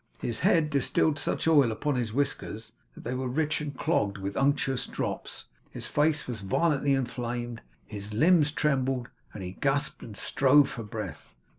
His head distilled such oil upon his whiskers, that they were rich and clogged with unctuous drops; his face was violently inflamed, his limbs trembled; and he gasped and strove for breath.